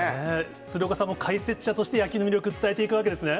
鶴岡さんも解説者として、野球の魅力、伝えていくわけですね。